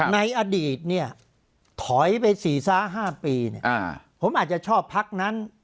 ในอดีตเนี่ยถอยไป๔๕ปีผมอาจจะชอบพักนั้น